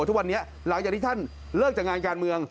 ทุกวันนี้หลังจากที่ท่านเลิกจากงานการเมือง